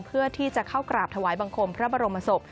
เพื่อที่จะเข้ากราบถวายบังคมพระบรมศพ